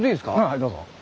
はいどうぞ。